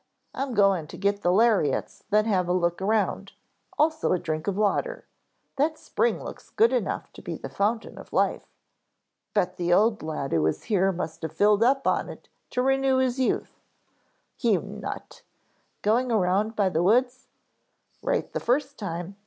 I'm going to get the lariats then have a look around; also a drink of water. That spring looks good enough to be the fountain of life. Bet the old lad who was here must have filled up on it to renew his youth." "You nut. Going around by the woods?" "Right the first time.